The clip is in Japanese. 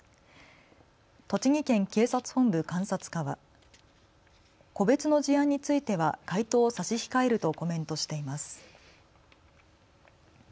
栃木県警察本部監察課は個別の事案については回答を差し控えるとコメントしています。